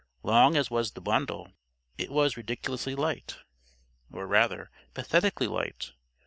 Long as was the bundle, it was ridiculously light. Or, rather, pathetically light.